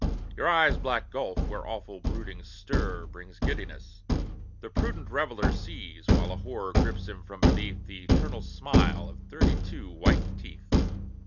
Your eyes' black gulf, where awful broodings stir, Brings giddiness; the prudent reveller Sees, while a horror grips him from beneath, The eternal smile of thirty two white teeth.